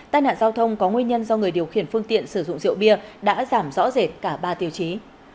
tai nạn giao thông có nguyên nhân do người điều khiển phương tiện sử dụng rượu bia đã giảm rõ rệt cả ba tiêu chí